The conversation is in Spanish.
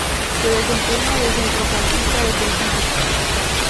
Se desempeña de centrocampista defensivo.